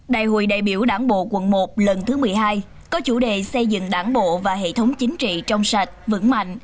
đại hội đại biểu đảng bộ quận một lần thứ một mươi hai có chủ đề xây dựng đảng bộ và hệ thống chính trị trong sạch vững mạnh